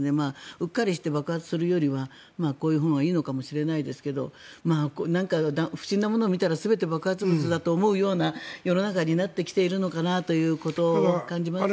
うっかりして爆発するよりはこういうほうがいいのかもしれないですけどなんか不審なものを見たら全て爆発物だと思うような世の中になってきているのかなということを感じますね。